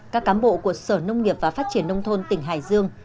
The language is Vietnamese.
các cám bộ của sở nông nghiệp và phát triển nông thôn tỉnh hải dương